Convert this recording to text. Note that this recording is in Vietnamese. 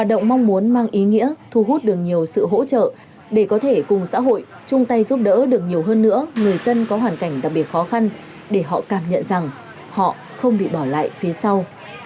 hoạt động mong muốn mang ý nghĩa thu hút được nhiều sự hỗ trợ để có thể cùng xã hội chung tay giúp đỡ được nhiều hơn nữa người dân có hoàn cảnh đặc biệt khó khăn để họ cảm nhận rằng họ không bị bỏ lại phía sau